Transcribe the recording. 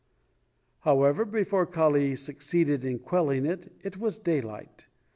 However, before Kali succeeded in quelling it, it was daylight.